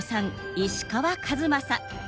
石川数正。